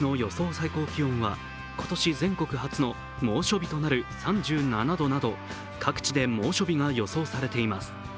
最高気温は今年全国初の猛暑日となる３７度など、各地で猛暑日が予想されています。